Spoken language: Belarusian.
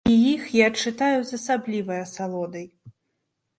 І іх я чытаю з асаблівай асалодай.